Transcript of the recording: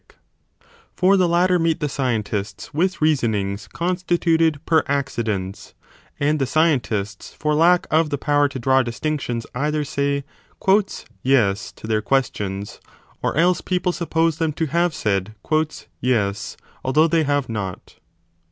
i68 b DE SOPHISTICIS ELENCHIS for the latter meet the scientists with reasonings constituted per accidens ; and the scientists for lack of the power to draw distinctions either say Yes to their questions, or 10 else people suppose them to have said Yes , although they have not.